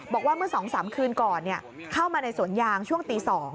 บอกว่าเมื่อ๒๓คืนก่อนเข้ามาในสวนยางช่วงตี๒